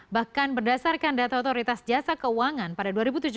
bahkan berdasarkan data otoritas jasa keuangan pada dua ribu tujuh belas